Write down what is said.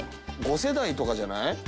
５世代とかじゃない？